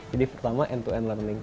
jadi pertama end to end learning